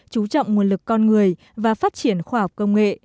chú trọng nguồn lực con người và phát triển khoa học công nghệ